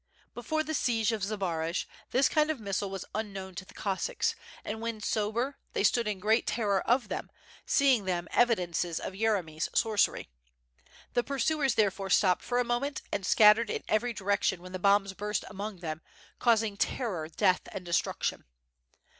Before the siege of Zbaraj, this kind of missile was un known to tlie Cossacks, and when sober, they stood in great terror of them, seeing in them evidences of Yeremy's sorcery. The pursuers therefore stopped for a moment, and scattered in every direction when the bombs burst among them, caus ing terror, death, and destruction.